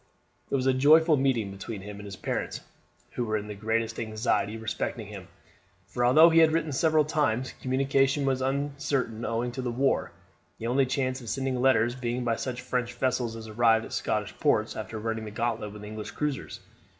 It was a joyful meeting between him and his parents, who were in the greatest anxiety respecting him, for although he had written several times, communication was uncertain owing to the war, the only chance of sending letters being by such French vessels as arrived at Scottish ports after running the gauntlet with English cruisers.